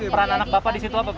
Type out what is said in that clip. peran anak bapak di situ apa pak